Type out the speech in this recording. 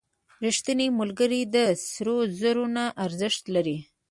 • رښتینی ملګری د سرو زرو نه ارزښت لري.